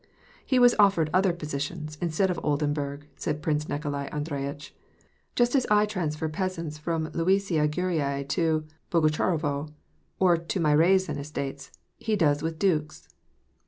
" He was offered other possessions, instead of Oldenburg," said Prince Nikolai Andreyitch. " Just as I transfer peasants from Luisiya Gorui to Bogucharovo, or to my Riazan estates, he does with dukes."